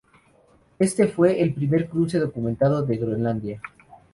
Este fue el primer cruce documentado de Groenlandia.